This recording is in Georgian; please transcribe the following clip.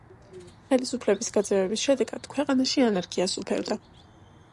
ხელისუფლების გაძევების შედეგად ქვეყანაში ანარქია სუფევდა.